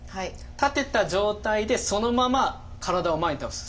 立てた状態でそのまま体を前に倒す。